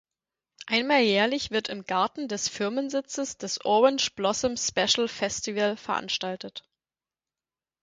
Einmal jährlich wird im Garten des Firmensitzes das Orange Blossom Special Festival veranstaltet.